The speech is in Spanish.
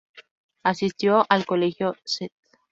Asistió al colegio St.